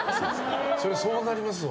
そりゃそうなりますわ。